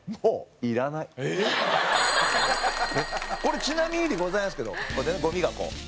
これちなみにでございますけどこうやってねゴミがこう。